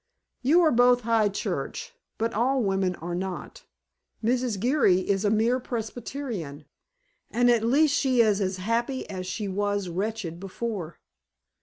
"You are both High Church, but all women are not. Mrs. Geary is a mere Presbyterian. And at least she is as happy as she was wretched before."